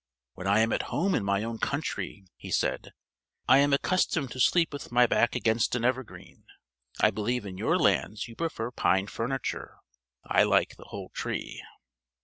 "When I am at home in my own country," he said, "I am accustomed to sleep with my back against an evergreen. I believe in your lands you prefer pine furniture: I like the whole tree."